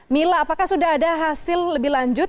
mila apakah sudah ada hasil lebih lanjut